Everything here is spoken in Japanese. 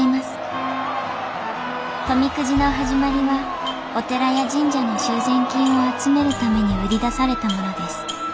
富くじの始まりはお寺や神社の修繕金を集めるために売り出されたものです。